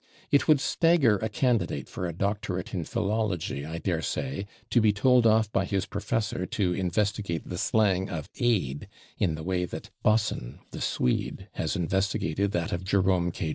It would stagger a candidate for a doctorate in philology, I daresay, to be told off by his professor to investigate the slang of Ade in the way that Bosson, the Swede, has investigated that of Jerome K.